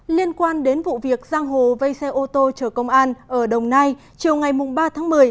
liên quan đến vụ việc giang hồ vây xe ô tô chở công an ở đồng nai chiều ngày ba tháng một mươi